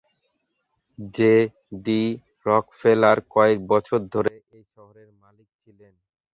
J. D. Rockefeller কয়েক বছর ধরে এই শহরের মালিক ছিলেন।